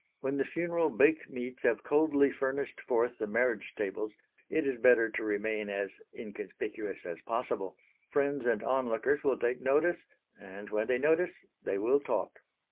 When the funeral baked meats have coldly furnished forth the marriage tables, it is better to remain as inconspicuous as possible; friends and onlookers will take notice, and, when they notice, they will talk.